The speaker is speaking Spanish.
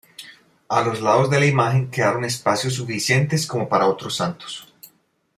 A los lados de la imagen quedaron espacios suficientes como para otros Santos.